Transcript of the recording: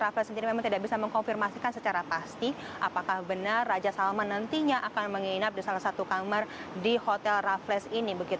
rafael sendiri memang tidak bisa mengkonfirmasikan secara pasti apakah benar raja salman nantinya akan menginap di salah satu kamar di hotel raffles ini